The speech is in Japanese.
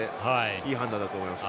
いい判断だと思います。